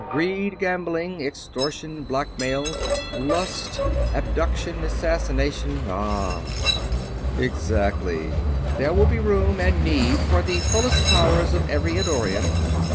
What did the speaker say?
greed ... gambling ... extortion ... blackmail ... lust ... abduction ... assassination ... ah h h!" "Exactly. There will be room, and need, for the fullest powers of every Eddorian.